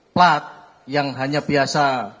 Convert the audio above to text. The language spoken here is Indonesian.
plat yang hanya biasa